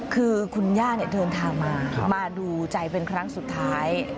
คือคุณย่าเดินทางมามาดูใจเป็นครั้งสุดท้าย